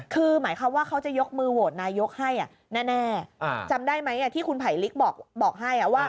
คือหมายความว่าเขาจะยกมือโหวตนายกให้แน่จำได้ไหมที่คุณไผลลิกบอกให้ว่า